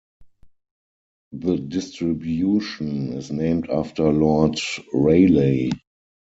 The distribution is named after Lord Rayleigh.